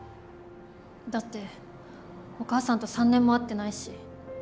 だってお母さんと３年も会ってないし。